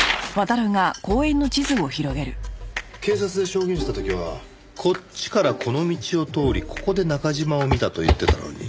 警察で証言した時はこっちからこの道を通りここで中嶋を見たと言ってたのに。